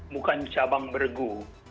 bukan cabang bergu